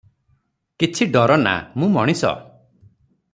କିଛି ଡର ନାଁ- ମୁଁ ମଣିଷ ।